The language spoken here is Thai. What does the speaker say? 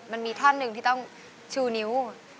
มันมีท่านหนึ่งที่ต้องชูนิ้ว